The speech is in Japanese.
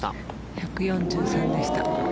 １４３でした。